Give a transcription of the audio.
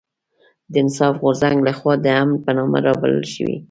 د انصاف غورځنګ لخوا د امن په نامه رابلل شوې